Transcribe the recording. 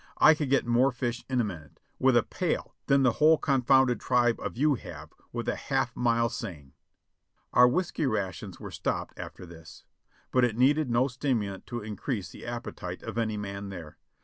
I could get more fish in a minute, with a pail, than the whole confounded tribe of you have, with a half mile seine." Our whiskey rations were stopped after this, but it needed no stimulant to increase the appetite of any man there.